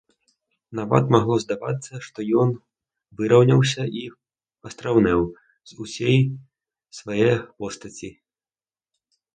Нават магло здавацца, што ён выраўняўся і пастрайнеў з усёй свае постаці.